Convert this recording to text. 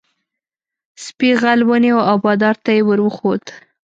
سپي غل ونیو او بادار ته یې ور وښود.